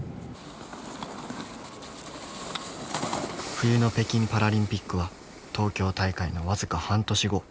冬の北京パラリンピックは東京大会の僅か半年後。